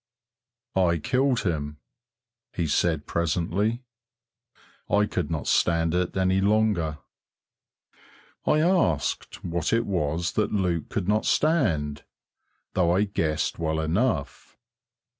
"I killed him," he said presently. "I could not stand it any longer." I asked what it was that Luke could not stand, though I guessed well enough.